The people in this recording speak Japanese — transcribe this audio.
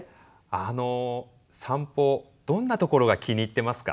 あの散歩どんなところが気に入ってますか？